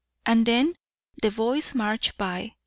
And then the boys march by.